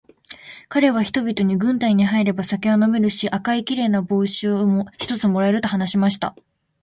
かれは人々に、軍隊に入れば酒は飲めるし、赤いきれいな帽子を一つ貰える、と話しました。